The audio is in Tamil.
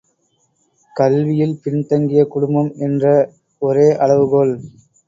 கல்வியில் பின்தங்கிய குடும்பம் என்ற ஒரே அளவுகோல்!